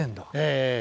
ええ。